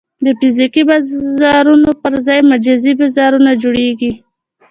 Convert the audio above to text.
د فزیکي بازارونو پر ځای مجازي بازارونه جوړېږي.